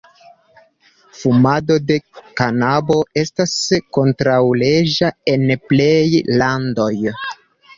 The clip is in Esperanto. Fumado de kanabo estas kontraŭleĝa en plej landoj.